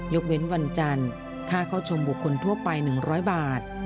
เว้นวันจันทร์ค่าเข้าชมบุคคลทั่วไป๑๐๐บาท